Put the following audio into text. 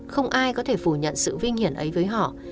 không ai có thể phủ nhận sự vinh hiển ấy với họ